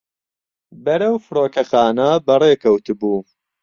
بەرەو فڕۆکەخانە بەڕێکەوتبوو.